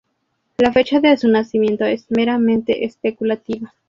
La fecha de su nacimiento es meramente especulativa.